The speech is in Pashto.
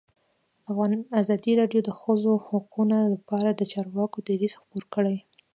ازادي راډیو د د ښځو حقونه لپاره د چارواکو دریځ خپور کړی.